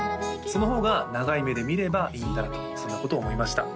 その方が長い目で見ればいいんだろうとそんなことを思いました